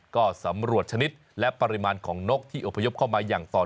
ก็สำรวจชนิดและปริมาณของนกที่อพยพเข้ามาอย่างตอน